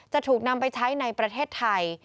จะถูกนำไปใช้ในประเทศไทย